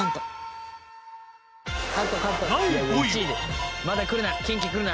第５位は。